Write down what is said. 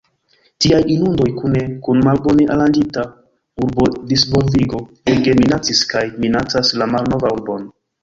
Tiaj inundoj kune kun malbone aranĝita urbodisvolvigo ege minacis kaj minacas la malnovan urbon.